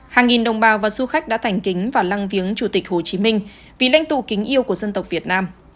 hàng nghìn đồng bào và du khách đã thành kính vào lăng viếng chủ tịch hồ chí minh vì lãnh tụ kính yêu của dân tộc việt nam